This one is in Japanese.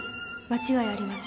間違いありません